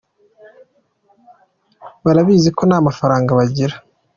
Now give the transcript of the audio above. barabizi ko ntamafaranga bagira